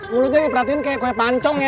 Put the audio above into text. mulutnya diperhatiin kayak kue pancong ya